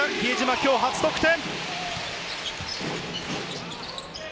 今日、初得点。